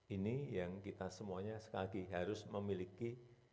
ini yang kita semuanya sekali lagi harus memiliki